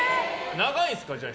長いんですか、じゃあ。